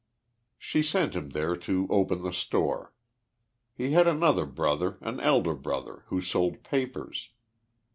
She sent him there to open the store. He had another bi other, an elder brother, who sold papers.